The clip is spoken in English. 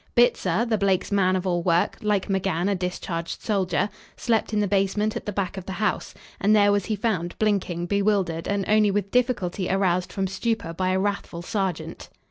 Bitzer, the Blakes' man of all work, like McGann, a discharged soldier, slept in the basement at the back of the house, and there was he found, blinking, bewildered and only with difficulty aroused from stupor by a wrathful sergeant.